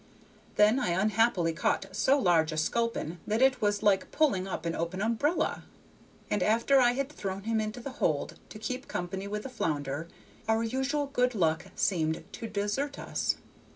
Then I unhappily caught so large a sculpin that it was like pulling up an open umbrella, and after I had thrown him into the hold to keep company with the flounder, our usual good luck seemed to desert us.